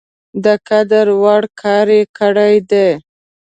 د قدر وړ کار یې کړی دی.